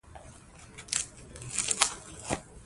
یورانیم د افغان ښځو په ژوند کې رول لري.